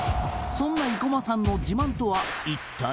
そんな生駒さんの自慢とは一体？